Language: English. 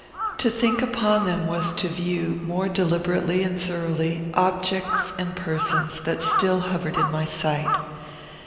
To think upon them was to view, more deliberately and thoroughly, objects and persons that still hovered in my sight.